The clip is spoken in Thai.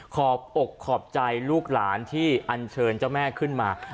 บอกขอบใจลูกหลานที่อันเชิญเจ้าแม่ขึ้นมา